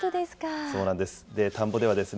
そうなんです。